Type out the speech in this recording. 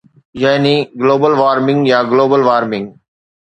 يعني global warming يا global warming